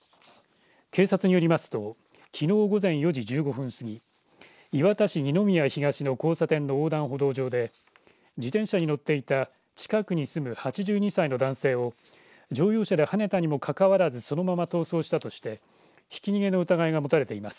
警察によりますときのう午前４時１５分過ぎ磐田市二之宮東の交差点の横断歩道上で自転車に乗っていた近くに住む８２歳の男性を乗用車ではねたにもかかわらずそのまま逃走したとしてひき逃げの疑いが持たれています。